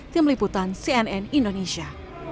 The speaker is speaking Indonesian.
tim liputan cnn indonesia